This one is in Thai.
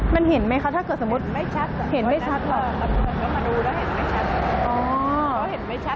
มันเห็นไหมคะถ้าเกิดสมมุติเห็นไม่ชัดเหรอเขามาดูแล้วเห็นไม่ชัด